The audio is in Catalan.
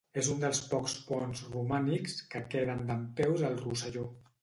És un dels pocs ponts romànics que queden dempeus al Rosselló.